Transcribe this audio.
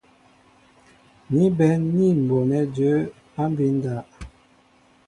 Ni bɛ̌n ní m̀bonɛ́ jə̌ á mbí' ndáp.